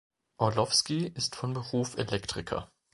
Orlowski ist von Beruf Elektriker.